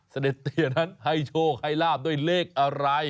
เสด็จเตียนั้นให้โชคให้ลาบด้วยเลขอะไร